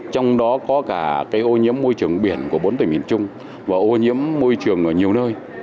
trong đó có cả ô nhiễm môi trường biển của bốn tỉnh miền trung và ô nhiễm môi trường ở nhiều nơi